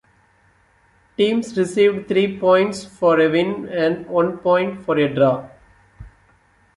Teams received three points for a win and one point for a draw.